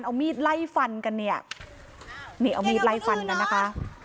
เอามีดไล่ฟันกันเนี่ยนี่เอามีดไล่ฟันกันนะคะ